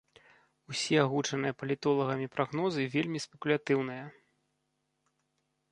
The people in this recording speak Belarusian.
Усе агучаныя палітолагамі прагнозы вельмі спекулятыўныя.